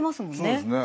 そうですね。